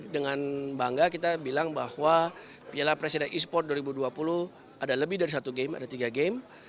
dengan bangga kita bilang bahwa piala presiden e sport dua ribu dua puluh ada lebih dari satu game ada tiga game